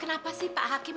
kenapa sih pak hakim